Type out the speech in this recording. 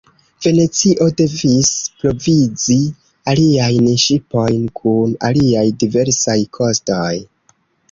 Venecio devis provizi aliajn ŝipojn kun aliaj diversaj kostoj.